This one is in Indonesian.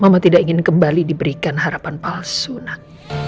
mama tidak ingin kembali diberikan harapan palsu nak